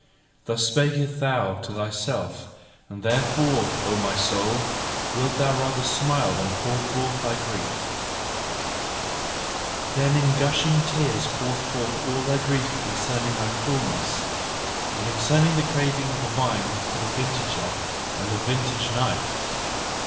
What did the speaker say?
Thus speakest thou to thyself; and therefore, O my soul, wilt thou rather smile than pour forth thy grief Than in gushing tears pour forth all thy grief concerning thy fulness, and concerning the craving of the vine for the vintager and vintage knife!